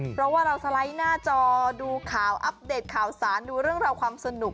เพราะว่าเราสไลด์หน้าจอดูข่าวอัปเดตข่าวสารดูเรื่องราวความสนุก